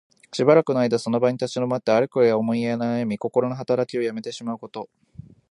しばらくの間その場に立ち止まって、あれこれ思いなやみ、こころのはたらきをやめてしまうこと。